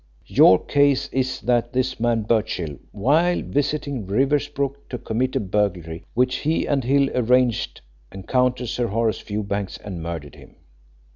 Your case is that this man Birchill, while visiting Riversbrook to commit a burglary which he and Hill arranged, encountered Sir Horace Fewbanks and murdered him.